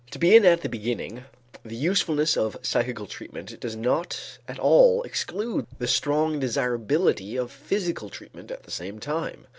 To begin at the beginning, the usefulness of psychical treatment does not at all exclude the strong desirability of physical treatment at the same time.